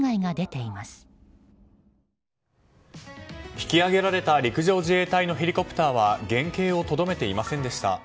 引き揚げられた陸上自衛隊のヘリコプターは原形をとどめていませんでした。